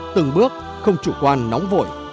từng bước không chủ quan nóng vội